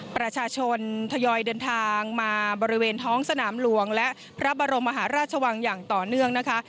ประชาชนทยอยเดินทางมาบริเวณท้องสนามหลวงและพระบรมมหาราชวังอย่างต่อเนื่องนะคะ